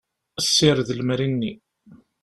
Sired lemri-nni.